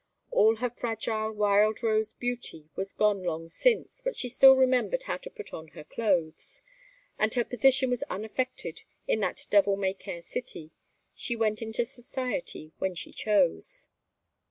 All her fragile wild rose beauty was gone long since, but she still remembered how to put on her clothes, and her position was unaffected in that devil may care city; she went into society when she chose.